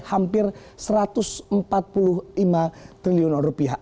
hampir satu ratus empat puluh lima triliun rupiah